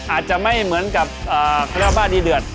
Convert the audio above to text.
อาจจะไม่เหมือนกับคณะบ้านดีเดือด